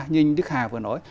như đức hà vừa nói